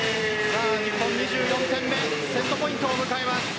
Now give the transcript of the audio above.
日本、２４点目セットポイントを迎えます。